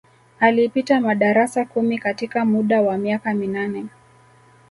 Alipita madarasa kumi katika muda wa miaka minane